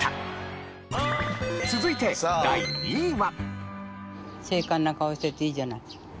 続いて第２位は。